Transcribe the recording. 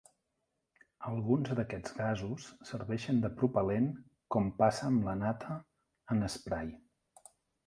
Alguns d'aquests gasos serveixen de propel·lent com passa amb la nata en esprai.